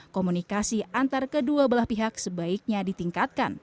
komunikasi antar kedua belah pihak sebaiknya ditingkatkan